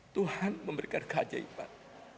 tuhan memberikan keajaiban